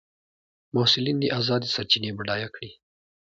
محصلین دي ازادې سرچینې بډایه کړي.